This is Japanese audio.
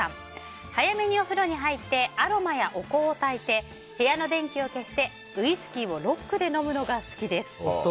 早めにお風呂に入ってアロマやお香をたいて部屋の電気を消してウイスキーをロックで飲むのが好きです。